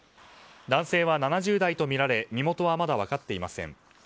男性は７０代とみられ身元はまだ分かっていません。